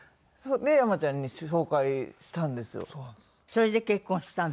それで結婚したの？